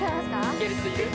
いける人いる？